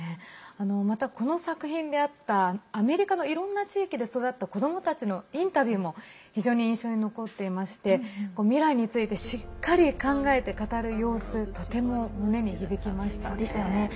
また、この作品であったアメリカのいろんな地域で育った子どもたちのインタビューも非常に印象に残っていまして未来についてしっかり考えて語る様子とても胸に響きましたね。